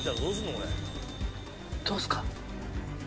どうっすか？